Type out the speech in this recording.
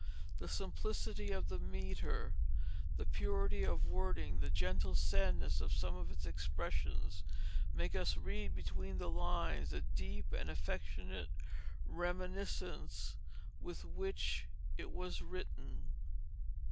The simplicity of metre, the purity of wording, the gentle sadness of some of its expressions, make us read between the lines the deep and affectionate reminiscence with which it was written.